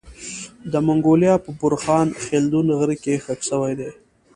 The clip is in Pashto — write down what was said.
د منګولیا په بورخان خلدون غره کي خښ سوی دی